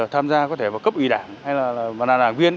tham gia có thể vào cấp ủy đảng hay là đảng viên